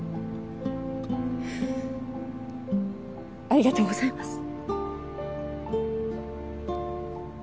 ありがとうございます。